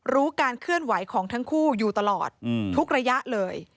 รู้การเคลื่อนไหวของทั้งคู่อยู่ตลอดทุกระยะเลย